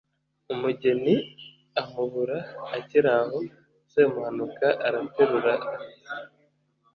umugeni amubura akiri aho. semuhanuka araterura ati